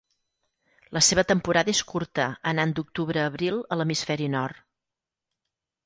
La seva temporada és curta anant d'octubre a abril a l'hemisferi nord.